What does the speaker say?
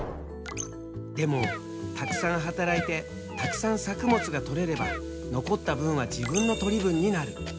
でもたくさん働いてたくさん作物がとれれば残った分は自分の取り分になる。